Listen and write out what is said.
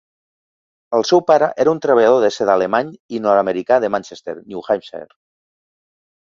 El seu pare era un treballador de seda alemany i nord-americà de Manchester, New Hampshire.